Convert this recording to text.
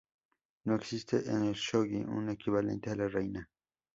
No existe en el shōgi un equivalente a la reina.